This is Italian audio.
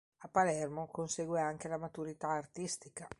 A Palermo consegue anche la maturità artistica.